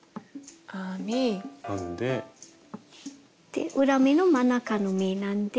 で裏目の真ん中の目なんで。